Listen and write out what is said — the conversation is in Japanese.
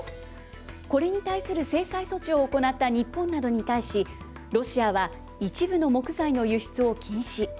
これに対する制裁措置を行った日本などに対し、ロシアは一部の木材の輸出を禁止。